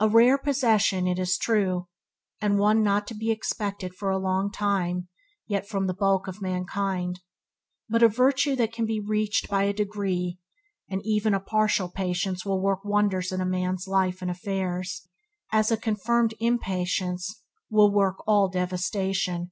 A rare possession, it is true, and one not to be expected for a long time yet from the bulk of mankind, but a virtue that can be reached by degree, and even a partial patience will work wonders in a man's life and affairs, as a confirmed impatience all work devastation.